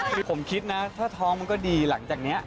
คือผมคิดนะถ้าท้องมันก็ดีหลังจากนี้